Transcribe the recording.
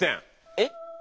えっ？